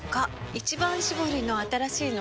「一番搾り」の新しいの？